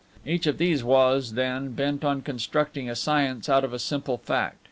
Each of these was, then, bent on constructing a science out of a simple fact.